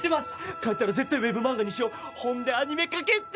帰ったら絶対ウエブ漫画にしよほんでアニメ化決定！